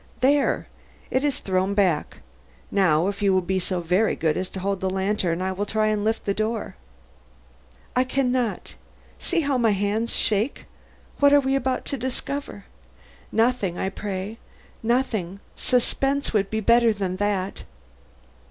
There! it is thrown back. Now, if you will be so very good as to hold the lantern, I will try and lift up the door." "I can not. See, how my hands shake! What are we about to discover? Nothing, I pray, nothing. Suspense would be better than that."